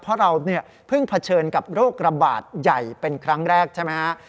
เพราะเราเนี่ยเพิ่งเผชิญกับโรคระบาดใหญ่เป็นครั้งแรกใช่ไหมฮะ